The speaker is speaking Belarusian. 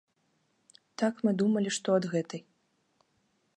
Так мы думалі, што ад гэтай.